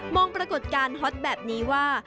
ปรากฏการณ์ฮอตแบบนี้ว่า